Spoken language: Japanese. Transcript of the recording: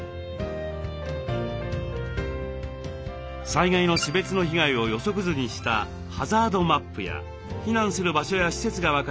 災害の種別の被害を予測図にした「ハザードマップ」や避難する場所や施設が分かる「防災地図」。